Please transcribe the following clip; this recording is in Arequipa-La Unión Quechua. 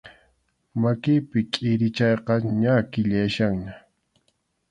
Makiypi kʼirichayqa ña kʼillayachkanña.